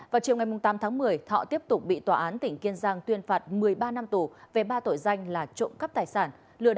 vào chiều ngày tám tháng một mươi thọ tiếp tục bị tòa án tỉnh kiên giang tuyên phạt một mươi ba năm tù về ba tội danh là trộm cắp tài sản